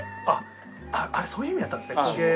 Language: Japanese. あれそういう意味だったんですね。